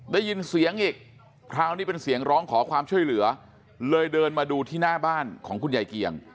ได้ยินเสียงอีกคราวนี้เป็นเสียงร้องขอความช่วยเหลือเลยเดินมาดูที่หน้าบ้านของคุณยายเกียง